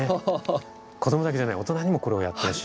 子供だけじゃない大人にもこれをやってほしい。